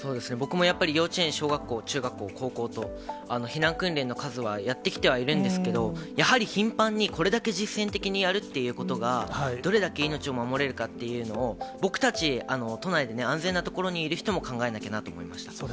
僕もやっぱり、幼稚園、小学校、中学校、高校と、避難訓練の数はやってきてはいるんですけれども、やはり頻繁にこれだけ実践的にやるということが、どれだけ命を守れるかっていうのを、僕たち、都内で安全な所にいる人も考えなきゃなと思いました。